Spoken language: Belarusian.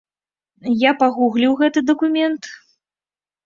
Я пагугліў гэты дакумент.